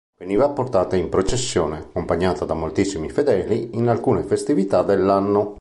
Veniva portata in processione, accompagnata da moltissimi fedeli, in alcune festività dell'anno.